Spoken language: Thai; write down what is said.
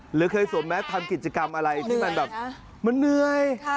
หรือเคยสวมแมสทำกิจกรรมอะไรที่มันแบบมันเหนื่อย